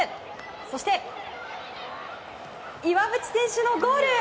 そして、岩渕選手のゴール！